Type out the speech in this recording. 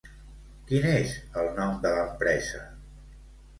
Quin és el nom de l'empresa?